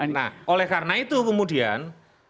nah oleh karena itu kemudian